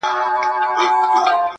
د میني ترانې وایی پخپل لطیفه ژبه,